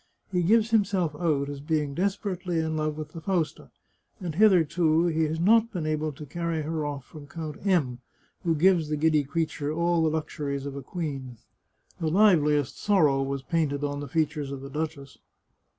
He gives himself out as being desperately in love with the Fausta, and hitherto he has not been able to carry her off from Count M , who gives the giddy creature all the luxuries of a queen." The liveliest sorrow was painted on the features of the duchess.